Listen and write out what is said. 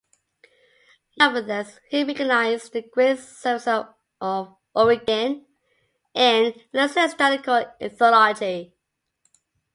Nevertheless, he recognized the great services of Origen in ecclesiastical theology.